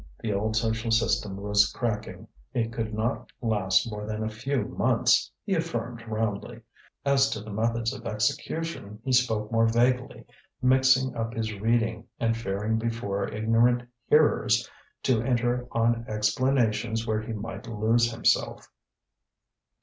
The old social system was cracking; it could not last more than a few months, he affirmed roundly. As to the methods of execution, he spoke more vaguely, mixing up his reading, and fearing before ignorant hearers to enter on explanations where he might lose himself.